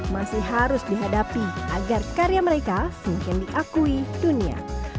masih harus dihadapi agar karya mereka semakin diakui dunia